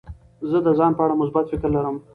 زه د ځان په اړه مثبت فکر لرم.